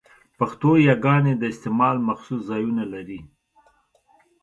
پښتو يګاني د استعمال مخصوص ځایونه لري؛